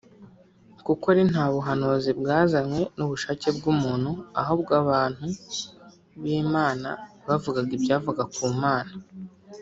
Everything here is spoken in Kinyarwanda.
kuko ari nta buhanuzi bwazanywe n’ubushake bw’umuntu ahubwo abantu b’Imana bavugaga ibyavaga ku Mana